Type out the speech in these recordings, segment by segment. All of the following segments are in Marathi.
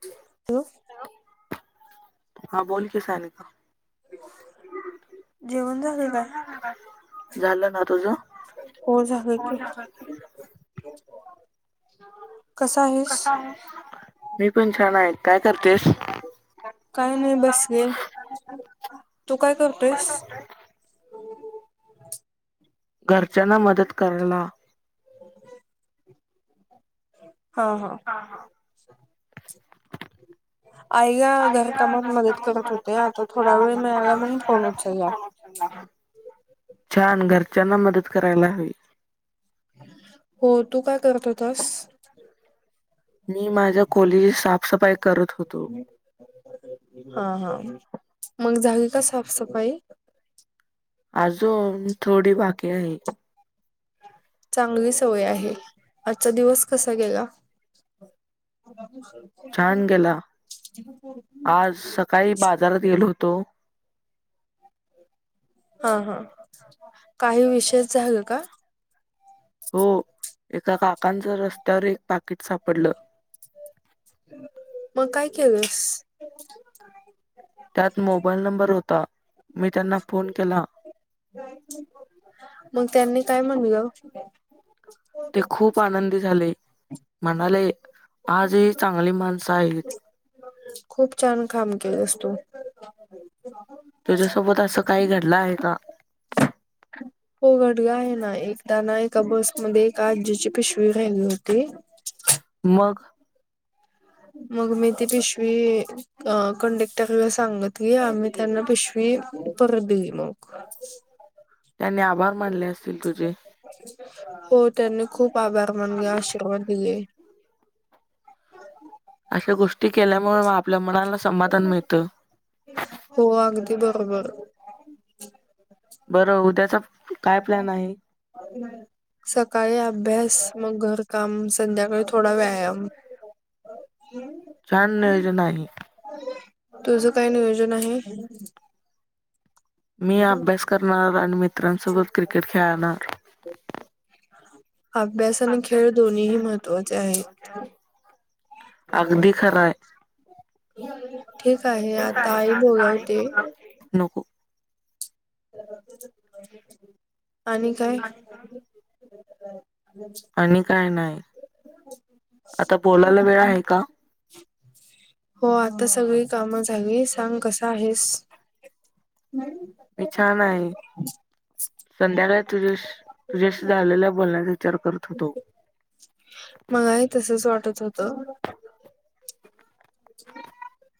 [unintelligible] हा बोल की सानिका. जेवण झालं काय? झालं ना तुझं हो झालं की. कसा आहेस? मी पण छान आहे काय करतेस? काही नाही बसले, तू काय करतोयस? घरच्यांना मदत करायला हा हा [unintelligible] आई ला घर कामात मदत करत होते आता थोडा वेळ मिळाला म्हणून फोन उचलला. छान घरच्यांना मदत करायला हवी. हो, तू काय करत होतास? मी माझ्या खोली साफसफाई करत होतो. हा हा, मग झाली का साफसफाई? अजून थोडी बाकी आहे. चांगली सवय आहे, आजचा दिवस कसा गेला? [unintelligible] छान गेला, आज सकाळी बाजारात गेलो होतो. हा हा, काही विशेष झालं का? हो, एका काकांचं रस्त्यावर एक पाकीट सापडलं. मग काय केलसं? त्यात मोबाईल नंबर होता मी त्यांना फोन केला. मग त्यांनी काय म्हलं? ते खूप आनंदी झाले म्हणाले आज ही चांगली माणसं आहेत. खूप छान काम केलंस तू. तू ज्यासोबत असं काही घडलं आहे का? हो घडल आहे ना एकदा ना एका बसमध्ये एका आजीची पिशवी राहिली होती मग, मग मी ति पिशवी अ कंडेक्टरला सांगत की आम्ही त्यांना पिशवी परत दिली मग, त्यांनी आभार मानले असतील तुझे. हो त्यांनी खूप आभार मानले आशीर्वाद दिलेे. अशा गोष्टी केल्यामुळे आपल्या मनाला समाधान मिळतं. हो अगदी बरोबर. बरं उद्याचा काय प्लॅन आहे? [unintelligible] सकाळी अभ्यास मग घरकाम संध्याकाळी थोडा व्यायाम. हम्. छान नियोज आहे. तुझ काय नियोजन आहे? मी अभ्यास करणार आणि मित्रांसोबत क्रिकेट खेळणार अभ्यास आणि खेळ दोन्ही महत्त्वाचे आहेत. अगदी खरा आहे. ठीक आहे ठीक आता आहे आई आज का बोलावते घेऊते नको. आणि काय आणि काय नाही आता बोलायला वेळ आहे का? हो आता सगळी कामं झाली सांग कसं आहेस. मी छान आहे. संध्याकाळी तुझ्या तुझ्याशी झालेला बोलण्याचा विचार करत होतो. मला ही तसच वाटत होतं.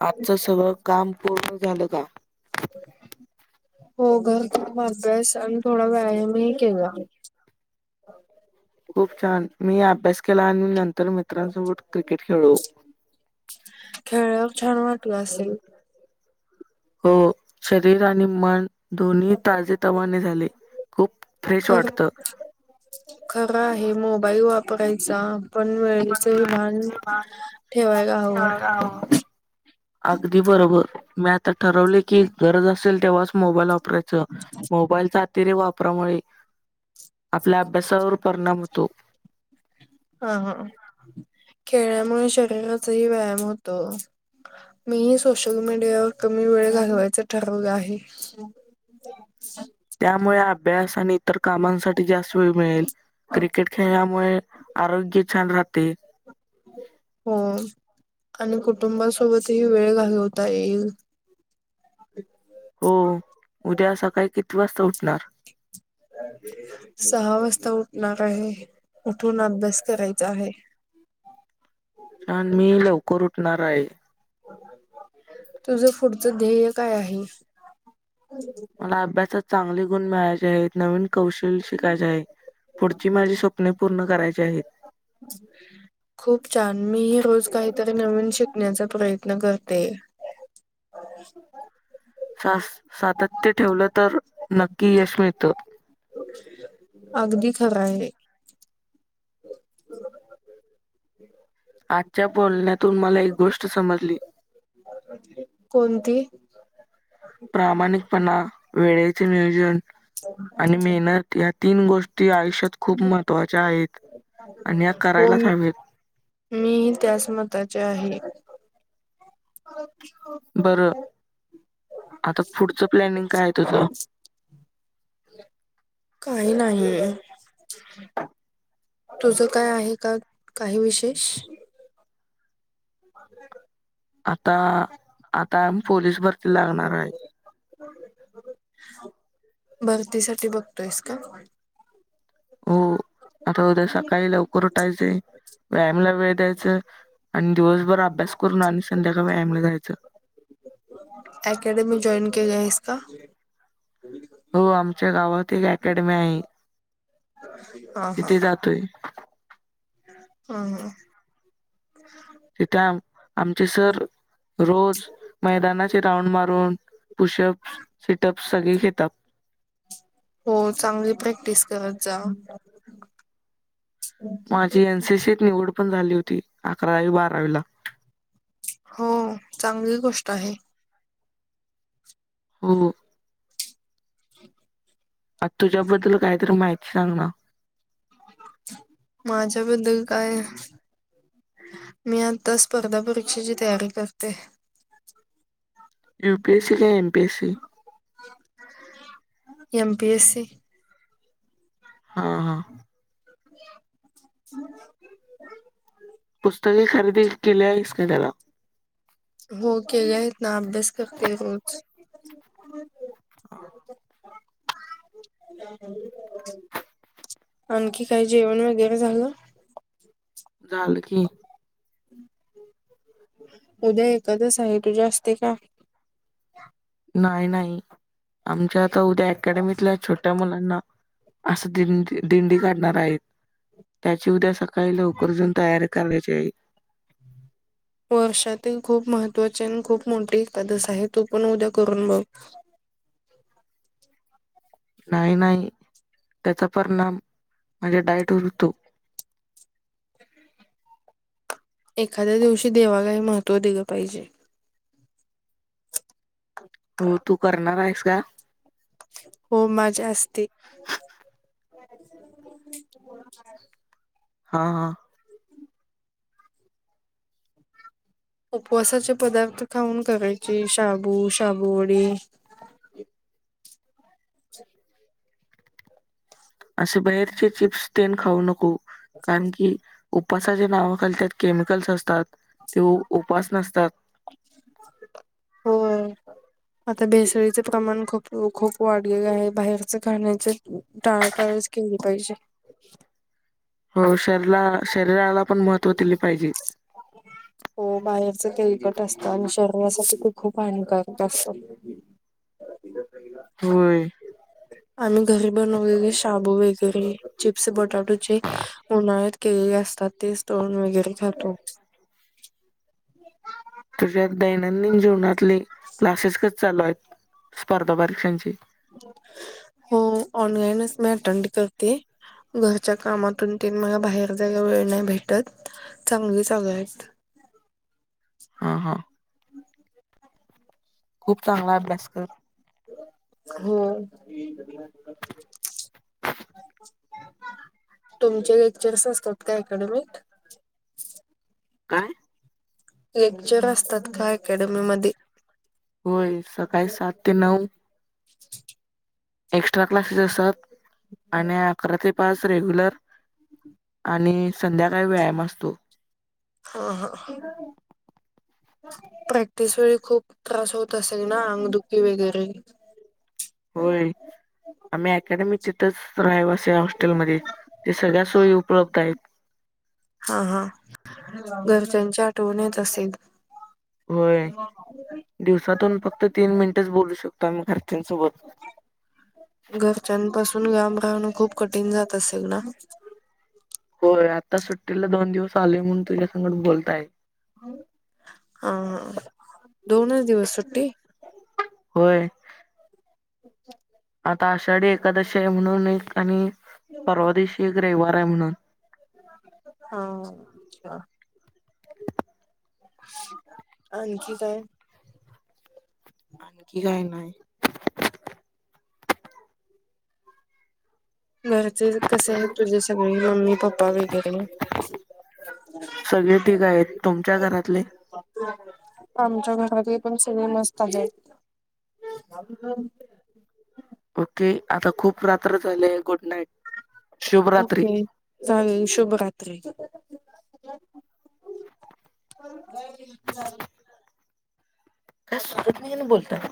आजचं सगळं काम पूर्ण झालं का? हो ग अभ्यास, आणि थोडा व्यायामही केला. खूप छान मी अभ्यास केला आणि नंतर मित्रांसोबत क्रिकेट खेळलो खेळल्यावर छान वाटलं असेल हो शरीर आणि मन दोन्ही ताजे तवाने झाले. खूप फ्रेश वाटतं खरा आहे मोबाईल वापरायचा पण वेळ त्याचही भान ठेवायला हवं. अगदी बरोबर मी आता ठरवले की गरज असेल तेव्हाच मोबाईल वाप मोबाईलचा अतिरय वापरामुळे आपल्या अभ्यासावर परिणाम होतो. हा हा खेळल्यामुळे शरीराचाही व्यायाम होतो. मीही सोशल मीडियावर कमी वेळ घालवायचं ठरवलं आहे. त्यामुळे अभ्यास आणि इतर कामांसाठी जास्त वेळ मिळेल. क्रिकेट खेळल्यामुळे आरोग्य छान राहते. हो आणि कुटुंबासोबतही वेळ घालवता येईल. हो उद्या सकाळी किती वाजता उठणार सहा वाजता उठणार आहे, उठून अभ्यास करायचा आहे. छान मी लवकर उठणार आहे. तुझ पुढचं ध्येय काय आहे? मला अभ्यासात चांगले गुण मिळायचे आहेत नवीन कौशल शिकायचे आहे, पुढची माझी स्वप्ने पूर्ण करायचे आहेत. ह खूप छान मी रोज काहीतरी नवीन शिकण्याचा प्रयत्न करते. सातत्य ठेवलं तर नक्की यश मिळत. अगदी खरं आहे. आजच्या बोलण्यातून मला एक गोष्ट समजली. अ ते कोणती प्रामाणिकपणा वेळेचे नियोजन आणि मेहनत या तीन गोष्टी आयुष्यात खूप महत्त्वाच्या आहेत, आणि या हो करायलाच हव्यात. मीही त्याच मताचे आहे. [unintelligible] बरं आता पुढचं प्लानिंग काय आहे तुझं? काही नाहीये. तुझं काय आहे का काही विशेष? आता आता पोलीस भरतीला लागणार आहे. भरतीसाठी बघतोयस का? हो आता उद्या सकाळी लवकर उठायच, व्यायामला वेळ द्यायचं. आणि दिवसभर अभ्यास करून आणि संध्याकाळ व्यायामला जायचं अकॅडमी जॉईन केली आहेस का? हो आमच्या गावात एक अकॅडमी आहे, हा हा तिथे हा जातोय. हा ह [unintelligible] तिथे आमचे सर रोज मैदानाचे राऊंड मारून पुशप सिटअप्स सगळे घेतात. हो चांगली प्रॅक्टिस करत जा. माझी एनसीसीत निवड पण झाली होती अकरावी बारावीला. हो चांगली गोष्ट आहे. [inaudible] [unintelligible] तुझ्याबद्दल काहीतरी माहिती सांग ना. माझ्याबद्दल काय? मी आता स्पर्धा परीक्षेची तयारी करते. युपीएससी का एमपीएससी. MPSC. हा हा [unintelligible] पुस्तके खरेदी केली आहेस काय त्याला हो केली आहेत ना अभ्यास करते रोज. होय की [inaudible] आणखी काय जेवण वगैरे झालं. झालं की. उद्या एकादस आहे तुझी असते का? नाही नाही आमच्या आता उद्या अकॅडमीतल्या छोट्या मुलांना असं दिंडी दिंडी काढणार आहेत त्याची उद्या सकाळी लवकर जाऊन तयारी [inaudible] वर्षातील खूप महत्त्वाची आणि खूप मोठी एकादस आहे तू पण उद्या करून बघ. नाही नाही त्याचा परिणाम माझ्या डायटवर होतो. एखाद्या दिवशी देवालाही महत्त्व दिलं पाहिजे. तू तू करणार आहेस का? हो माझी असते. हा हा उपवासाचे पदार्थ खाऊन करायचे शाबू शाबुवडी असे बाहेरचे चिप्स तेन खाऊ नको कारण की उपासाचे नावाखाली त्यात केमिकल्स असतात ते उपवास नसतात. होय आता भेसळीचे प्रमाण खूप, खूप वाढलेलं आहे बाहेरचं खाण्याचं टाळाटाळच केली पाहिजे. हो शरला शरीराला पण महत्त्व दिले पाहिजे. [unintelligible] हो बाहेरच तेलकट असतं आणि शरीरासाठी ते खूप हानिकारक असतं. हा तिनं पाहिला होय आम्ही घरी बनवलेले शाबू वगैरे चिप्स बटाटोचे उन्हाळ्यात केलेले असतात तेच तळून वगैरे खातो. तुझ्या दैनंदिन जीवनातले क्लासेस कसे चालू आहेत स्पर्धा परीक्षांची हो ऑनलाईनच मी अटेंड करते. घरच्या कामातून ते मला बाहेर जायला वेळ नाही भेटत चांगली सवय आहेत हा हा खूप चांगला अभ्यास कर हो तुमचे लेक्चर्स असतात का अकॅडमीत काय लेक्चर असतात का अकॅडमी मध्ये होय सकाळी सात ते नऊ एक्स्ट्रा क्लासेस असतात आणि अकरा ते पाच रेग्युलर आणि संध्याकाळी व्यायाम असतो. ह हं प्रॅक्टिस वेळी खूप त्रास होत असेल ना अंगदुखी वगैरे होय आम्ही अकॅडमीत तच रहिवाशी आहे हॉस्टेलमध्ये ते सगळ्यां सोयी उपलब्ध आहेत. हा हा घरच्यांची आठवण येत असेल. होय दिवसांतून फक्त तीन मिनिटंच बोलू शकतो आम्ही घरच्यांसोबत घरच्यांपासून लांब राहणं कठीण जात असेल ना होय आता सुट्टीला दोन दिवस आले म्हणून तुझ्या संघट बोलत आहे. हा हं दोनच दिवस सुट्टी होय आता आषाढी एकादशी आहे म्हणून एक आणि परवा दिवशी एक रविवार आहे म्हणून हा अच्छा आणखी काय आणखी काय नाही [unintelligible] कसे आहेत तुझे सगळे मम्मी पप्पा वगैरे सगळे ठीक आहेत तुमच्या घरातले आमच्या घरातले पण सगळे मस्त आहेत ओके आता खूप रात्र झालेय गुड नाईट. शुभरात्री ओके चालेल, शुभरात्री [unintelligible] काय सुचत नाही कनी बोलताना